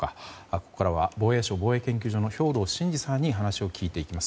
ここからは防衛省防衛研究所の兵頭慎治さんに話を聞いていきます。